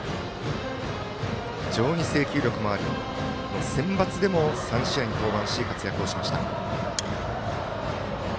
非常に制球力もありセンバツでも３試合に登板し活躍をしました。